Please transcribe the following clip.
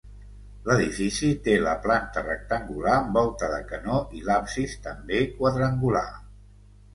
L’edifici té la planta rectangular amb volta de canó i l'absis també quadrangular.